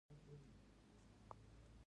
د افغانستان په منظره کې غوښې ښکاره ده.